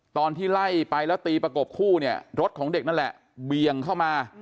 ตอนที่ไล่ไปแล้วตีประกบคู่เนี่ยรถของเด็กนั่นแหละเบี่ยงเข้ามา